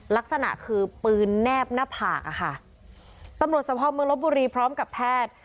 ลักษณะคือปืนแนบหน้าผากอะค่ะตำรวจสภาพเมืองลบบุรีพร้อมกับแพทย์